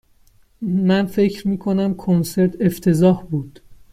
من فکر می کنم کنسرت افتضاح بود.